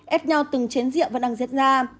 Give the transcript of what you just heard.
ép nhau từng chén rượu và năng diết ra